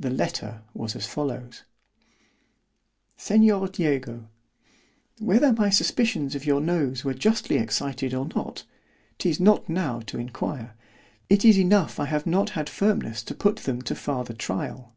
The letter was as follows: "Seig. DIEGO, "Whether my suspicions of your nose were justly excited or not——'tis not now to inquire—it is enough I have not had firmness to put them to farther tryal.